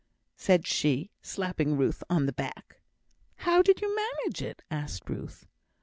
said she, slapping Ruth on the back. "How did you manage it?" asked Ruth.